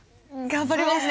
頑張ります。